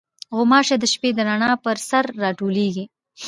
غوماشې د شپې د رڼا پر سر راټولېږي.